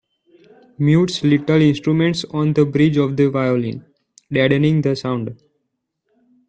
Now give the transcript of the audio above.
Mutes little instruments on the bridge of the violin, deadening the sound